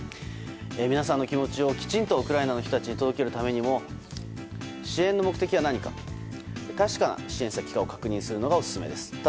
皆さんの気持ちを、きちんとウクライナの人たちに届けるためにも支援の目的は何か確かな支援先かを確認するのがオススメです。